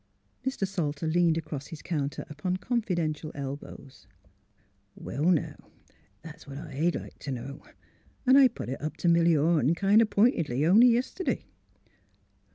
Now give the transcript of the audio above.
Mr. Salter leaned across his counter upon confi dential elbows. '' Well, now, that's what I'd like t' know; 'n' I put it up to Milly Orne kind o' p'intedly, only yiste'day.